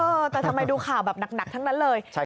แต่ทำไมดูข่าวแบบหนักทั้งนั้นเลย